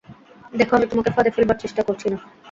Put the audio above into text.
দেখো, আমি তোমাকে ফাঁদে ফেলবার চেষ্টা করছি না।